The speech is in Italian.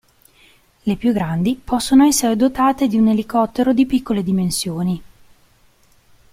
Le più grandi possono essere dotate di un elicottero di piccole dimensioni.